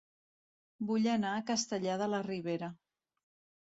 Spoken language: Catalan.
Vull anar a Castellar de la Ribera